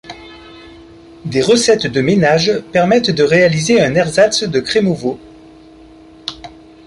Des recettes de ménage permettent de réaliser un ersatz de cremovo.